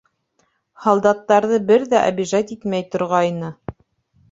Һалдаттарҙы бер ҙә обижать итмәй торғайны.